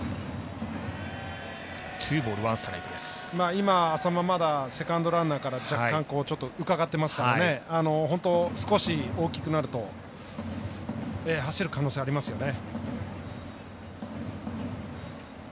今、淺間、セカンドランナーから若干、うかがってますから少し大きくなると走る可能性ありますよね。